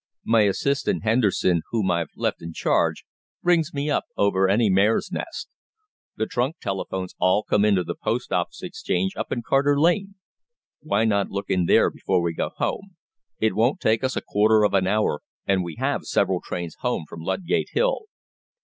My assistant, Henderson, whom I've left in charge, rings me up over any mare's nest. The trunk telephones all come into the Post Office Exchange up in Carter Lane. Why not look in there before we go home? It won't take us a quarter of an hour, and we have several trains home from Ludgate Hill."